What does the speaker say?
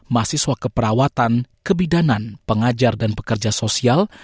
mahasiswa keperawatan kebidanan pengajar dan pekerja sosial